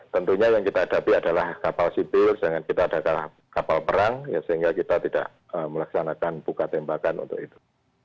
tentunya yang kita hadapi adalah kapal sipil sehingga kita tidak melaksanakan buka tembakan untuk itu